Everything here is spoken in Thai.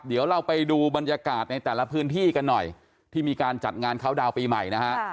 เดี๋ยวเราไปดูบรรยากาศในแต่ละพื้นที่กันหน่อยที่มีการจัดงานเขาดาวน์ปีใหม่นะฮะ